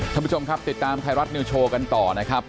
ท่านผู้ชมครับติดตามไทยรัฐนิวโชว์กันต่อนะครับ